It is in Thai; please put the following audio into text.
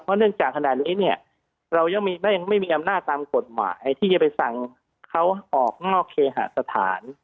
เนื่องจากขณะนี้เนี่ยเรายังไม่มีอำนาจตามกฎหมายที่จะไปสั่งเขาออกนอกเคหาสถาน